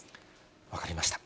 分かりました。